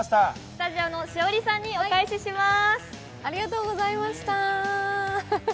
スタジオの栞里さんにお返しします。